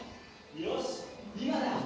よし今だ！